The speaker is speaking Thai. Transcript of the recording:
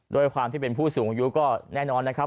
ด้วยความที่เป็นผู้สูงอายุก็แน่นอนนะครับ